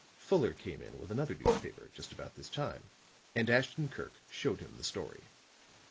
Fuller came in with another newspaper just about this time and Ashton Kirk showed him the story.